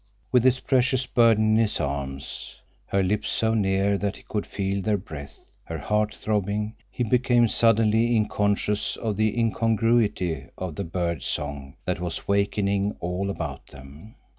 With his precious burden in his arms, her lips so near that he could feel their breath, her heart throbbing, he became suddenly conscious of the incongruity of the bird song that was wakening all about them.